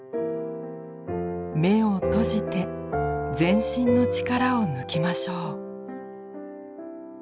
目を閉じて全身の力を抜きましょう。